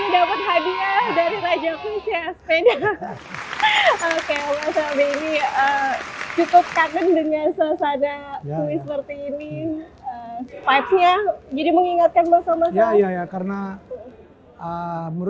dari raja fisya sepeda oke cukup kangen dengan selesai ada seperti ini jadi mengingatkan bahwa